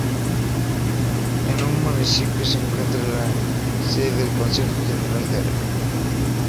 En su municipio se encuentra la sede del Consejo General de Arán.